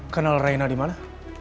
kenal raina dimana